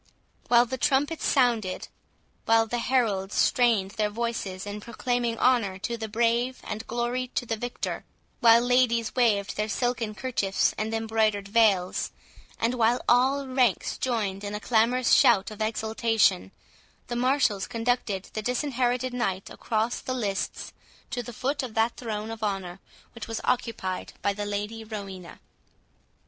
While the trumpets sounded, while the heralds strained their voices in proclaiming honour to the brave and glory to the victor—while ladies waved their silken kerchiefs and embroidered veils, and while all ranks joined in a clamorous shout of exultation, the marshals conducted the Disinherited Knight across the lists to the foot of that throne of honour which was occupied by the Lady Rowena.